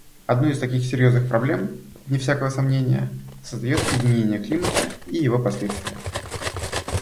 Одну из таких серьезных проблем, вне всякого сомнения, создает изменение климата и его последствия.